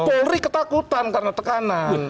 polri ketakutan karena tekanan